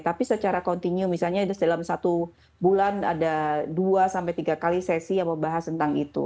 tapi secara kontinu misalnya dalam satu bulan ada dua sampai tiga kali sesi yang membahas tentang itu